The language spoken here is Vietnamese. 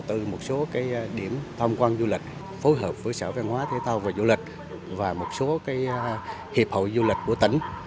tham quan du lịch phối hợp với sở văn hóa thể tạo và du lịch và một số hiệp hội du lịch của tỉnh